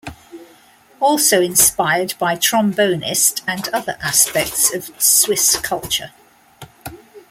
Also inspired by trombonist and other aspects of Swiss culture.